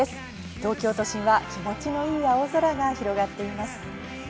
東京都心は気持ちのいい青空が広がっています。